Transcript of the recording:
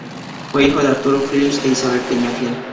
Fue hijo de Arturo Phillips e Isabel Peñafiel.